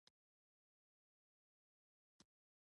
مړه ته د خدای د عرش سیوری غواړو